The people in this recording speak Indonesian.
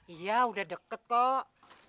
iya udah deket kok